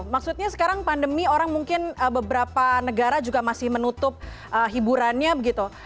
maksudnya sekarang pandemi orang mungkin beberapa negara juga masih menutup hiburannya begitu